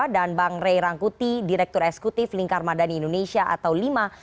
dan bang ray rangkuti direktur esekutif lingkar madani indonesia atau lima